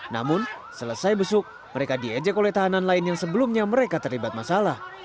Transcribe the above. namun selesai besuk mereka diejek oleh tahanan lain yang sebelumnya mereka terlibat masalah